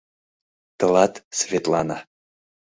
Тылат, Светлана